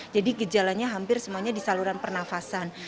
jadi gejalanya hampir semuanya di saluran pernafasan